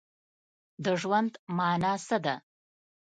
د ژوند مانا څه ده؟